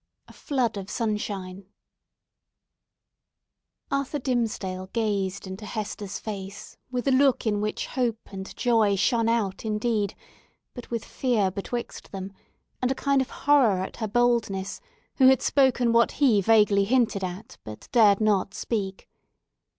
A FLOOD OF SUNSHINE Arthur Dimmesdale gazed into Hester's face with a look in which hope and joy shone out, indeed, but with fear betwixt them, and a kind of horror at her boldness, who had spoken what he vaguely hinted at, but dared not speak.